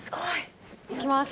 いきます！